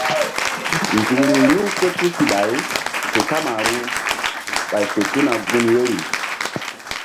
Nzukri riw ké tusiɓay tu kamaru ɓay fe tuna gun yeri.